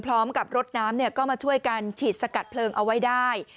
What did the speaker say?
พร้อมกับรถน้ำก็มาช่วยกันฉีดสกัดเพลิงเอาไว้ได้